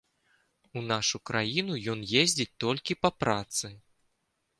У нашу краіну ён ездзіць толькі па працы.